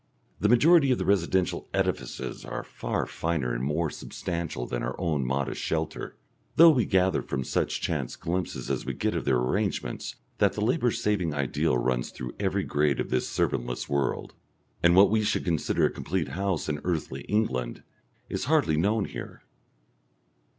The majority of the residential edifices are far finer and more substantial than our own modest shelter, though we gather from such chance glimpses as we get of their arrangements that the labour saving ideal runs through every grade of this servantless world; and what we should consider a complete house in earthly England is hardly known here.